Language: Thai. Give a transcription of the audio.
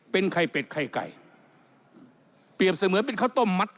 เป็นไข่เป็ดไข่ไก่เปรียบเสมือนเป็นข้าวต้มมัด